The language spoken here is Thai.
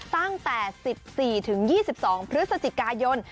ตั้งแต่๑๔ถึง๒๒พฤศจิกายน